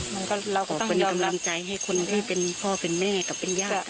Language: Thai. บอกเป็นกำลังใจให้คนได้เป็นพ่อเป็นแม่กับเป็นย่า